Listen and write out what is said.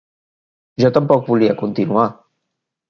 Jo tampoc volia continuar.